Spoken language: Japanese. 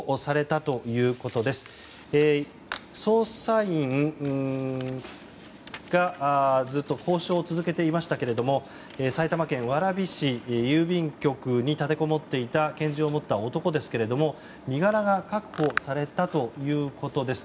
捜査員がずっと交渉を続けていましたけども埼玉県蕨市郵便局に立てこもっていた拳銃を持った男ですけれども身柄が確保されたということです。